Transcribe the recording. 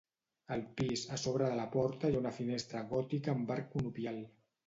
Al pis, a sobre de la porta hi ha una finestra gòtica amb arc conopial.